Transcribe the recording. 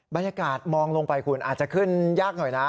บรรยากาศมองลงไปคุณอาจจะขึ้นยากหน่อยนะ